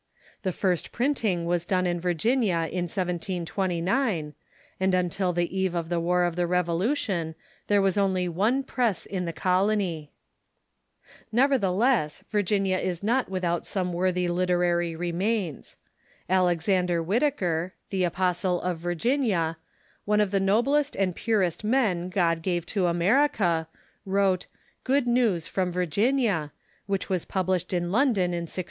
The first printing was done in Virginia in 1729, and until the eve of the war of the Revolution there was only one press in the colony. Nevertheless, Virginia is not without some Avorthy literary remains. Alexander Whitaker, " the Apostle of Virginia," one of the noblest and purest men God gave to America, wrote "Good News from Virginia," which was published in London in 1613.